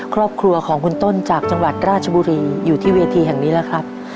ครอบครัวของคุณต้นจากจังหวัดราชบุรีอยู่ที่เวทีแห่งนี้แล้วครับ